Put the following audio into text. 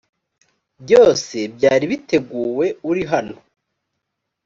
byose byari biteguwe uri hano